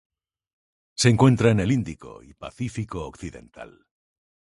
Se encuentra en el Índico y Pacífico occidental.